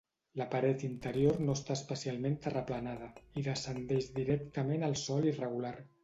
La paret interior no està especialment terraplenada, i descendeix directament al sòl irregular.